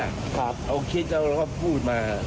เขาคิดแล้วก็พูดมา